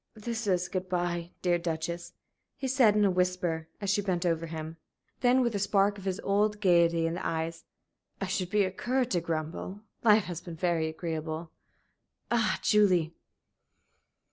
"This is good bye, dear Duchess," he said, in a whisper, as she bent over him. Then, with a spark of his old gayety in the eyes, "I should be a cur to grumble. Life has been very agreeable. Ah, Julie!"